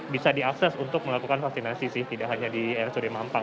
bisa diakses untuk melakukan vaksinasi sih tidak hanya di rsud mampang